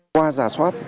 qua giả soát